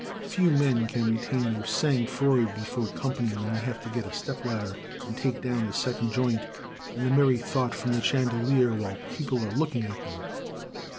Few men can retain their sang froid before company when they have to get a step ladder and take down the second joint and the merry thought from the chandelier while people are looking at them.